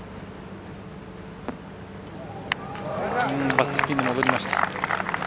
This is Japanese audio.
バックスピン、戻りました。